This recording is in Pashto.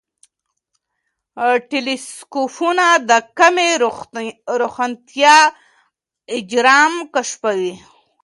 ټیلېسکوپونه د کمې روښانتیا اجرام کشفوي.